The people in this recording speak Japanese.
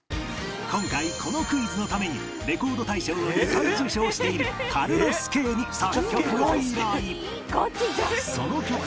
今回このクイズのためにレコード大賞を２回受賞している ＣａｒｌｏｓＫ． に作曲を依頼